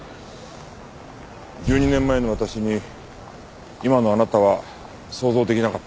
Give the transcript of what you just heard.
１２年前の私に今のあなたは想像できなかった。